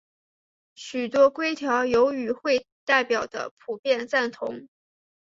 许多规条有与会代表的普遍赞同。